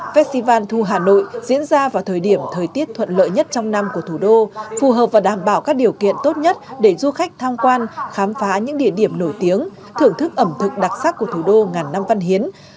festival thu hà nội diễn ra vào thời điểm thời tiết thuận lợi nhất trong năm của thủ đô phù hợp và đảm bảo các điều kiện tốt nhất để du khách tham quan khám phá những địa điểm nổi tiếng thưởng thức ẩm thực đặc sắc của thủ đô ngàn năm văn hiến